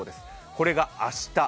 これが明日。